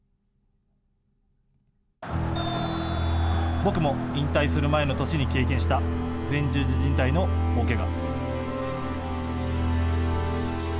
僕も引退する前の年に経験した前十字じん帯の大けが。